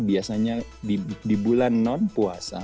biasanya di bulan non puasa